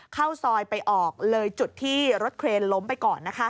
เข้าซอยไปออกเลยจุดที่รถเครนล้มไปก่อน